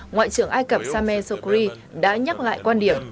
ngoại trưởng ai cập sameh sokri đã nhắc lại quan điểm